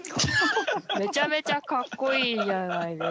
めちゃめちゃかっこいいじゃないですか。